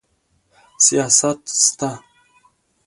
سیاست سته.